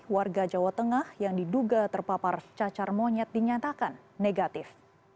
warga jawa tengah yang diduga terpapar cacar monyet dinyatakan negatif